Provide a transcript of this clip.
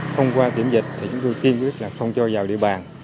không qua tiễn dịch thì chúng tôi kiên quyết là không cho vào địa bàn